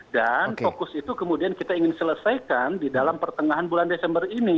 dan fokus itu kemudian kita ingin selesaikan di dalam pertengahan bulan desember ini